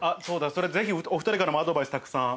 それぜひお２人からもアドバイスたくさん。